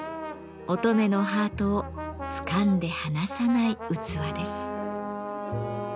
乙女のハートをつかんで離さない器です。